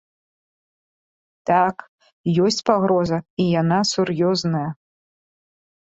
Так, ёсць пагроза, і яна сур'ёзная.